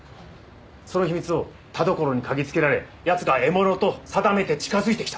その秘密を田所に嗅ぎつけられ奴が獲物と定めて近づいてきた。